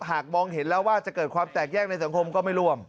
หากมองเห็นแล้วว่าจะเกิดความแตกแยกในสังคมก็ไม่ร่วม